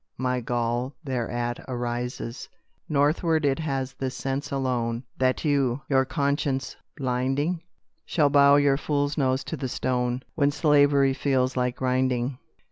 My gall thereat arises: Northward it hath this sense alone, That you, your conscience blinding, Shall bow your fool's nose to the stone, When slavery feels like grinding.